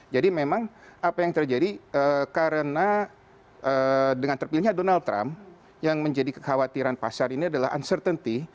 jadi memang apa yang terjadi karena dengan terpilihnya donald trump yang menjadi kekhawatiran pasar ini adalah uncertainty